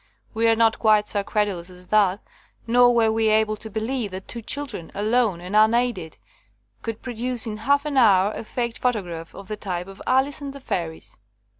We are not quite so credulous as that, nor were we able to believe that two children, alone and unaided, could produce in half an hour a faked photograph of the type of 'Alice and the Fairies.'